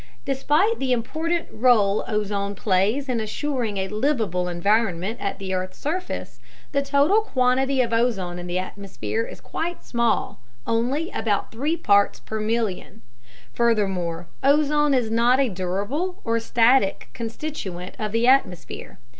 Despite the important role ozone plays in assuring a liveable environment at the earth's surface, the total quantity of ozone in the atmosphere is quite small, only about 3 parts per million. Furthermore, ozone is not a durable or static constituent of the atmosphere.